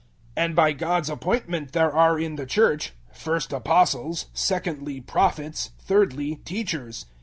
012:028 And by God's appointment there are in the Church first Apostles, secondly Prophets, thirdly teachers.